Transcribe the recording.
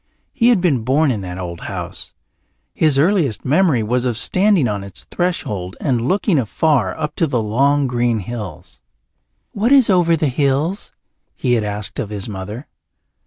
He had been born in that old house; his earliest memory was of standing on its threshold and looking afar up to the long green hills. "What is over the hills?" he had asked of his mother.